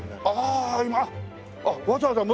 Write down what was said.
ああ